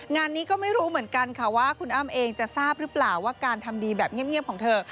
งานนี้ก็ไม่รู้เหมือนกันค่ะว่าคุณอ้ำเองจะทราบหรือเปล่าว่าการทำดีแบบเงียบของเธอ